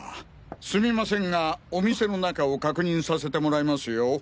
すみませんがお店の中を確認させてもらいますよ。